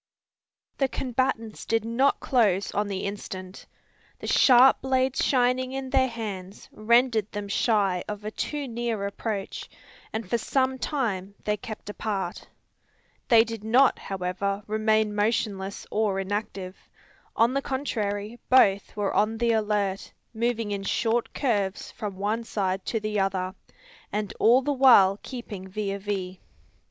The combatants did not close on the instant. The sharp blades shining in their hands rendered them shy of a too near approach, and for some time they kept apart. They did not, however, remain motionless or inactive. On the contrary, both were on the alert, moving in short curves from one side to the other, and all the while keeping vis a vis.